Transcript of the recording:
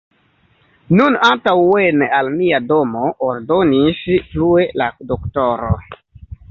Nun antaŭen al mia domo, ordonis plue la doktoro.